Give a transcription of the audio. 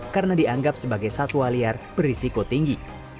karena dianggap sebagai satwa liar berisiko tinggi